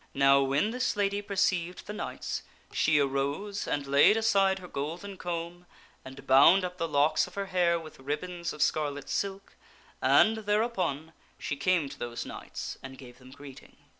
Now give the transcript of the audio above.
Now, when this lady perceived the knights she arose and laid aside her golden comb and bound up the locks of her hair with ribbons of scarlet silk, and thereupon, she came to those knights and gave them greeting.